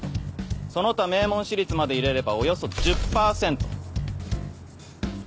その他名門私立まで入れればおよそ１０％。